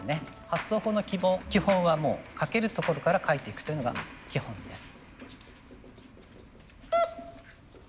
発想法の基本はもう書けるところから書いていくというのが基本です。